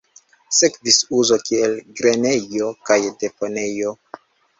Sekvis uzo kiel grenejo kaj deponejo.